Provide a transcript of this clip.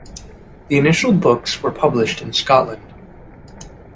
The initial books were published in Scotland.